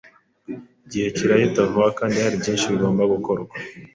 Igihe kirahita vuba kandi hari byinshi bigomba gukorwa.